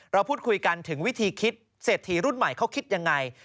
เราพูดคุยกันถึงวิธีคิดเศรษฐีรุ่นใหม่เขาคิดยังไง